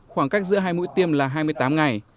khoảng cách giữa hai mũi tiêm là hai mươi tám ngày